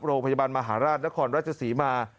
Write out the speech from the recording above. โรงพยาบาลมหาราชนครราชศรีมา